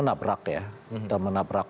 ini kan kasusnya karena kebetulan menabrak ya